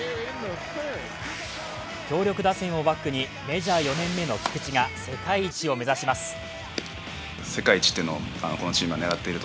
強力打線をバックにメジャー４年目の菊池が世界一を目指します。